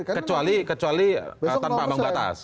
kecuali tanpa ambang batas